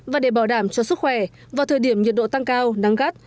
và để bảo đảm cho sức khỏe vào thời điểm nhiệt độ tăng cao nắng gắt